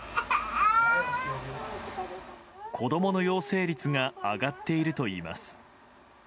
子供の陽性率が上がっているといいます。